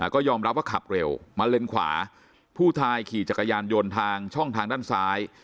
ก็ยอมรับว่าขับเร็วมาเลนขวาผู้ตายขี่จักรยานยนต์ทางช่องทางด้านซ้าย